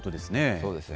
そうですよね。